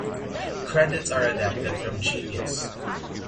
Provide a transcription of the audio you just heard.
Credits are adapted from Genius.